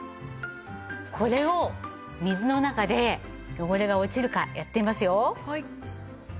これを水の中で汚れが落ちるかやってみますよ。